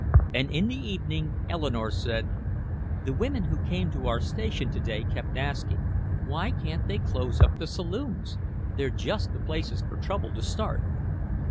And in the evening Eleanore said: "The women who came to our station to day kept asking, 'Why can't they close up the saloons? They're just the places for trouble to start.'"